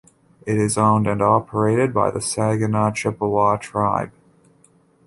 It is owned and operated by the Saginaw Chippewa Tribe.